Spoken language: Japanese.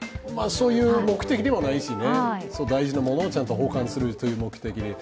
そういう目的ではないですが大事なものを保管するという目的で。